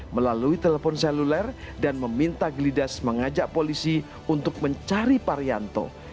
melalui telepon seluler dan meminta gelidas mengajak polisi untuk mencari parianto